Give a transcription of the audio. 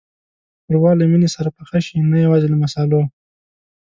ښوروا له مینې سره پخه شي، نه یوازې له مصالحو.